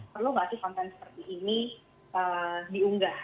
perlu bahas konten seperti ini diunggah